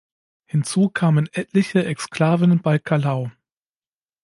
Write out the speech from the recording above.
Hinzu kamen etliche Exklaven bei Calau.